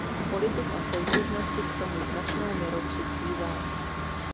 Politika soudržnosti k tomu značnou měrou přispívá.